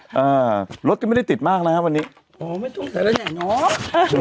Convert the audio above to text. อ่ารถก็ไม่ได้ติดมากนะฮะวันนี้อ๋อไม่ต้องใส่แล้วเนี่ยเนาะ